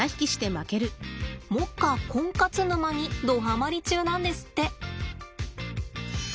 目下コンカツ沼にどはまり中なんですって。